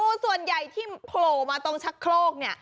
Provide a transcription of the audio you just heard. โอ้โหส่วนใหญ่ที่โผล่มาตรงชะโครก